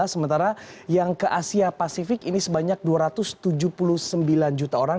sementara yang ke asia pasifik ini sebanyak dua ratus tujuh puluh sembilan juta orang